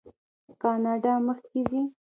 کاناډا مخکې ځي.